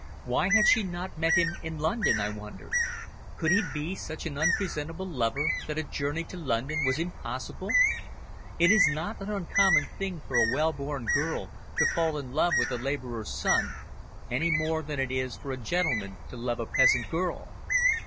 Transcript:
Why had she not met him in London? I wondered. Could he be such an unpresentable lover that a journey to London was impossible? It is not an uncommon thing for a well born girl to fall in love with a labourer's son any more than it is for a gentleman to love a peasant girl.